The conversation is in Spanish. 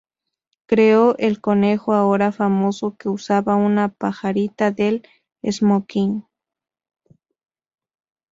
Creó el conejo ahora famoso que usaba una pajarita del esmoquin.